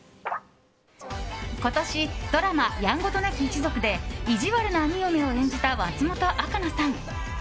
今年、ドラマ「やんごとなき一族」で意地悪な兄嫁を演じた松本若菜さん。